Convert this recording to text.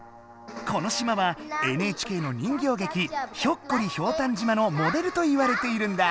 この島はＮＨＫの人形劇「ひょっこりひょうたん島」のモデルといわれているんだ。